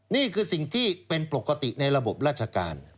นี่คือสิ่งที่เป็นปกติในระบบราชการ